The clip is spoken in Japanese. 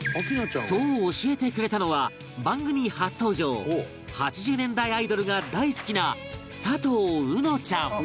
そう教えてくれたのは番組初登場８０年アイドルが大好きな佐藤うのちゃん